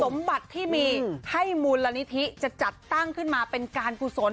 สมบัติที่มีให้มูลนิธิจะจัดตั้งขึ้นมาเป็นการกุศล